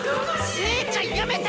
姉ちゃんやめて！